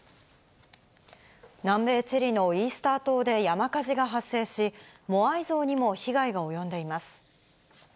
南米チリのイースター島で山火事が発生し、モアイ像にも被害が及んでいます。